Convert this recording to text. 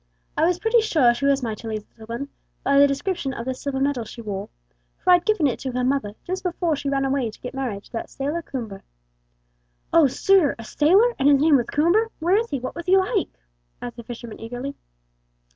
I was pretty sure she was my Tilly's little one, by the description of the silver medal she wore, for I'd given it to her mother just before she ran away to get married to that sailor Coomber." "Oh, sir, a sailor, and his name was Coomber! Where is he? What was he like?" asked the fisherman, eagerly.